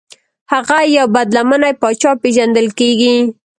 هغه یو بد لمنی پاچا پیژندل کیږي.